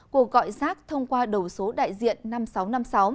cuộc gọi rác thông qua đầu số đại diện năm nghìn sáu trăm năm mươi sáu